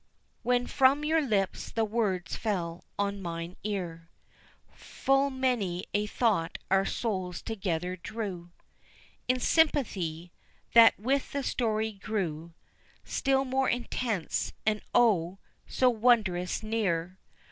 When from your lips the words fell on mine ear Full many a thought our souls together drew In sympathy, that with the story grew Still more intense, and oh! so wondrous near.